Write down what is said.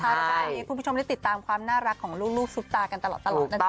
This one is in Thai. แล้วก็อันนี้คุณผู้ชมได้ติดตามความน่ารักของลูกซุปตากันตลอดนะจ๊